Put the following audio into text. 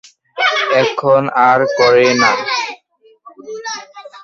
এখন আর করে না।